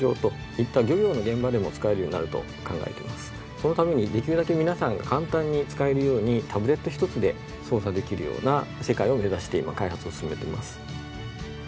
そのためにできるだけ皆さんが簡単に使えるようにタブレット１つで操作できるような世界を目指して今開発を進めています。